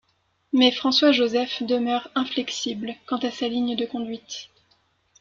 Mais François-Joseph demeure inflexible quant à sa ligne de conduite.